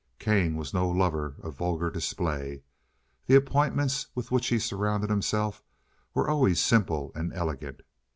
Kane was no lover of vulgar display. The appointments with which he surrounded himself were always simple and elegant.